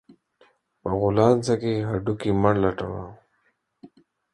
په غولانځه کې هډو کى مه لټوه